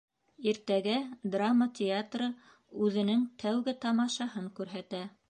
Иртәгә драма театры үҙенең тәүге тамашаһын күрһәтә